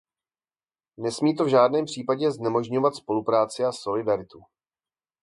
Nesmí to v žádném případě znemožňovat spolupráci a solidaritu.